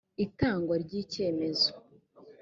itangwa ry icyemezo